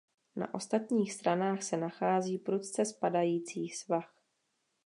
Na ostatních stranách se nachází prudce spadající svah.